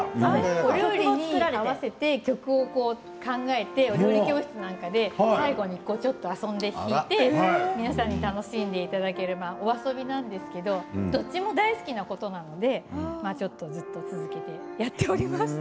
お料理に合わせて曲を考えてお料理教室の中で最後にちょっと遊んで弾いて皆さんに楽しんでいただければお遊びなんですけどどっちも大好きなことなので続けています。